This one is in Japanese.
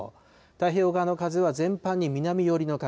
太平洋側の風は全般に南寄りの風。